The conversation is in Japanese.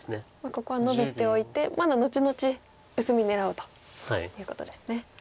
ここはノビておいて後々薄み狙おうということですね。